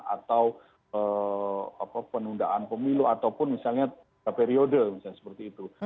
atau penundaan pemilu ataupun misalnya tiga periode misalnya seperti itu